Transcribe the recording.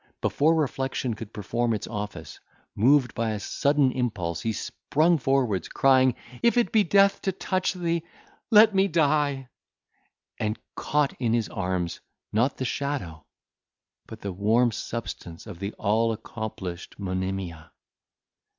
Before reflection could perform its office, moved by a sudden impulse, he sprung forwards, crying, "If it be death to touch thee, let me die!" and caught in his arms, not the shadow, but the warm substance of the all accomplished Monimia.